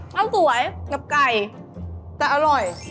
ข้าวสวยกับไก่แต่อร่อย